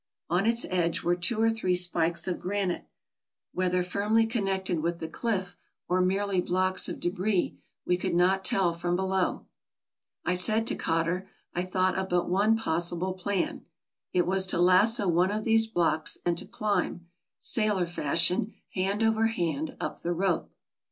On its edge were two or three spikes of granite, whether firmly connected with the cliff, or merely blocks of debris, we could not tell from below. I said to Cotter, I thought of but one possible plan: it was to lasso one of these blocks, and to climb, sailor fashion, hand over hand, up the rope.